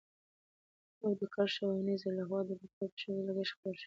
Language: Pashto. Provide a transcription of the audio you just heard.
او د کرښه اوو نيزه له خوا د ليکوال په شخصي لګښت خپور شوی.